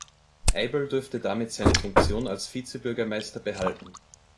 Eibl durfte damit seine Funktion als Vizebürgermeister behalten.